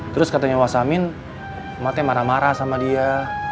terus katanya wa samin emak teh marah marah sama dia